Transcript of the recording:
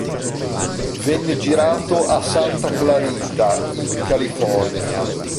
Venne girato a Santa Clarita, in California.